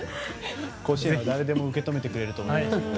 甲子園、誰でも受け止めてくれると思いますから。